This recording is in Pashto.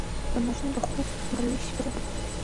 د ماشوم د خوب مهالويش وساتئ.